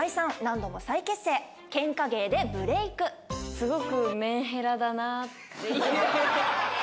すごくメンヘラだなって。